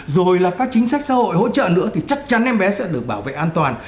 rồi là các chính sách xã hội hỗ trợ nữa thì chắc chắn em bé sẽ được bảo vệ an toàn